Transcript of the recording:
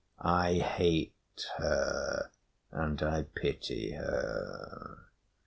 I hate her and I pity her.